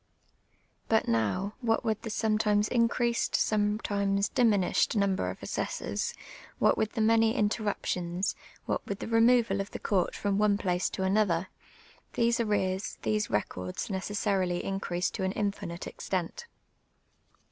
IJut now, what with the sometimes increased, sometimef? diminished number of assessors, what with the many inter ruptions, what with Xhr removal of the < ()\ut from one ])laco to another, these lUTcars, tht>e records necessai ily increased 458 TRUTH AND FOETEY ; FROM MY OWN LIFE. to an infinite extent.